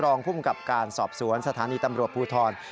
รองภูมิกับการสอบสวนสถานีตำรวจภูทร